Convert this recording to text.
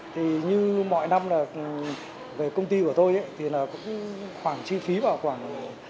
thì như mọi năm về công ty của tôi thì cũng khoảng chi phí vào khoảng